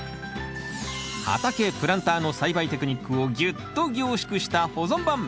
畑プランターの栽培テクニックをぎゅっと凝縮した保存版。